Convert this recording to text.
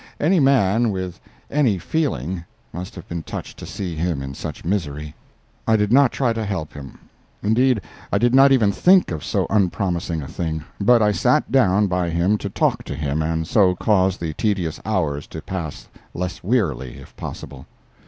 Any man, with any feeling, must have been touched to see him in such misery. I did not try to help him—indeed I did not even think of so unpromising a thing—but I sat down by him to talk to him and so cause the tedious hours to pass less wearily, if possible.